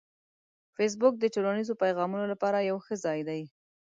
فېسبوک د ټولنیزو پیغامونو لپاره یو ښه ځای دی